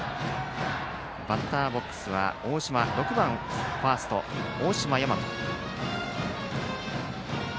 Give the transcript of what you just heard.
バッターボックスは６番ファースト、大島陵翔。